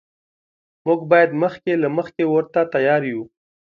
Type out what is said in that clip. موږ باید مخکې له مخکې ورته تیار یو.